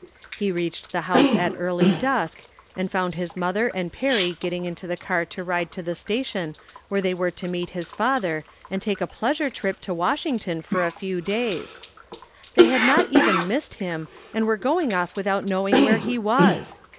He reached the house at early dusk and found his mother and Perry getting into the car to ride to the station where they were to meet his father and take a pleasure trip to Washington for a few days! They had not even missed him and were going off without knowing where he was!